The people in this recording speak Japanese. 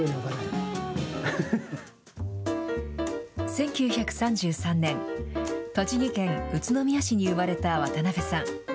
１９３３年、栃木県宇都宮市に生まれた渡辺さん。